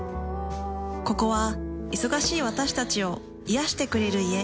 ここは忙しい私たちを癒してくれる家。